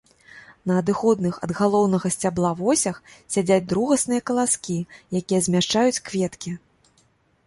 На адыходных ад галоўнага сцябла восях сядзяць другасныя каласкі, якія змяшчаюць кветкі.